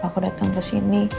aku datang ke sini